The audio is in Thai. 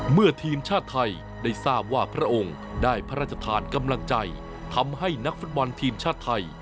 เมื่อทีมชาติไทยได้ทราบว่าพระองค์ได้พระราชทานกำลังใจทำให้นักฟุตบอลทีมชาติไทย